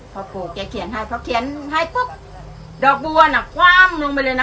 พระปู่แกเขียนให้เขาเขียนให้ปุ๊บดอกมัวนาความลงไปเลยน่ะ